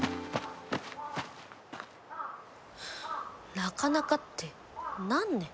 「なかなか」って何ね？